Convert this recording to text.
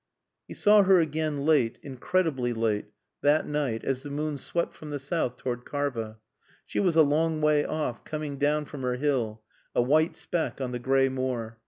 He saw her again late incredibly late that night as the moon swept from the south toward Karva. She was a long way off, coming down from her hill, a white speck on the gray moor.